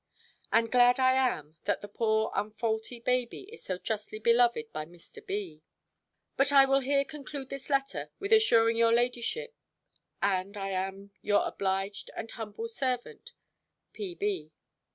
And glad I am, that the poor unfaulty baby is so justly beloved by Mr. B. But I will here conclude this letter, with assuring your ladyship, and I am your obliged and humble servant, P.